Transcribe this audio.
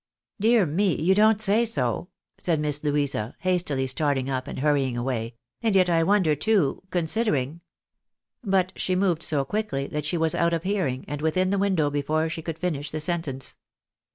" Dear me, you don't say so ?" said Miss Louisa, hastily starting up, and hurrying away ;" and yet I wonder, too, considering " But she moved so quickly, that she was out of hearing, and within the window before she could finish the sentence.